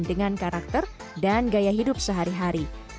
dengan karakter dan gaya hidup sehari hari